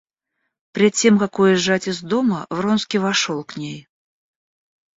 Пред тем как уезжать из дома, Вронский вошел к ней.